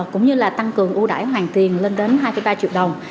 cũng như là tăng cường ưu đải hoàn tiền lên đến hai ba triệu đồng